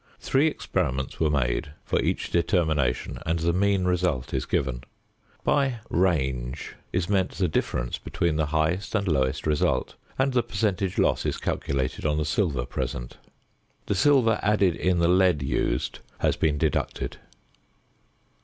Three experiments were made for each determination, and the mean result is given. By "range" is meant the difference between the highest and lowest result and the percentage loss is calculated on the silver present. The silver added in the lead used has been deducted.